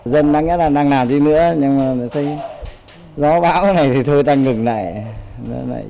dân đang nghĩ là đang làm gì nữa nhưng mà thấy gió bão này thì thôi ta ngừng lại